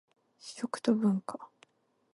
食と文化